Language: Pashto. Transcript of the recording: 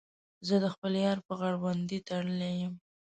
زه د خپل یار په غړوندي تړلی یم.